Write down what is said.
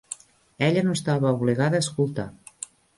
Ella no estava obligada a escoltar.